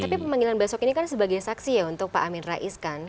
tapi pemanggilan besok ini kan sebagai saksi ya untuk pak amin rais kan